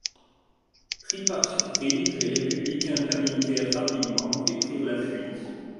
Pris par surprise, les Républicains paniquèrent rapidement et prirent la fuite.